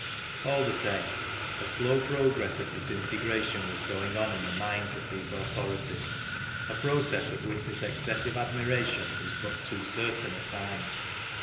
All the same, a slow progress of disintegration was going on in the minds of these authorities, a process of which this excessive admiration was but too certain a sign.